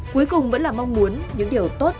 cuối cùng vẫn là mong muốn những điều tốt